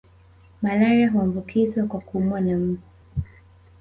Malaria huambukizwa kwa kuumwa na mbu